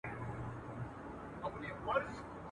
لوى قاضي به گيند را خوشي پر ميدان كړ.